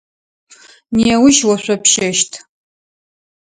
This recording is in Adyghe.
Неущ ошъопщэщт.